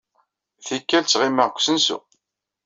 Tikkal, ttɣimiɣ deg usensu.